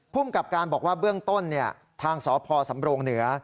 ภูมิกับการบอกว่าเบื้องต้นทางสพสำรงเหนือ